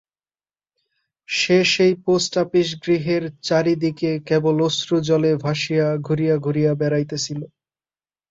সে সেই পোস্টআপিস গৃহের চারি দিকে কেবল অশ্রুজলে ভাসিয়া ঘুরিয়া ঘুরিয়া বেড়াইতেছিল।